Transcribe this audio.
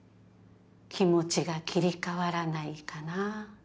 気持ちが切り替わらないかな。